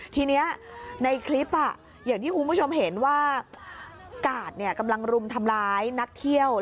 ทีนี้ในคลิปอย่างที่คุณผู้ชมเห็นว่ากาดกำลังรุมทำร้ายนักเที่ยว